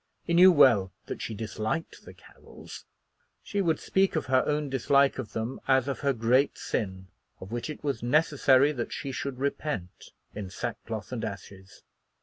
He knew well that she disliked the Carrolls. She would speak of her own dislike of them as of her great sin, of which it was necessary that she should repent in sackcloth and ashes.